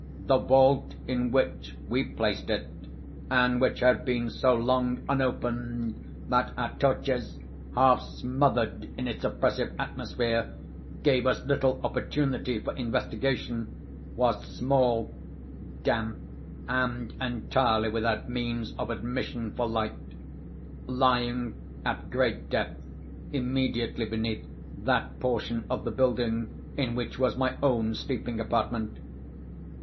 The vault in which we placed it (and which had been so long unopened that our torches, half smothered in its oppressive atmosphere, gave us little opportunity for investigation) was small, damp, and entirely without means of admission for light; lying, at great depth, immediately beneath that portion of the building in which was my own sleeping apartment.